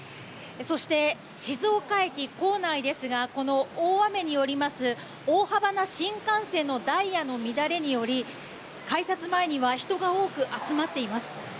そして静岡駅構内ですが、この大雨によります大幅な新幹線のダイヤの乱れにより、改札前には人が多く集まっています。